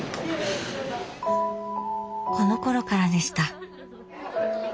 このころからでした。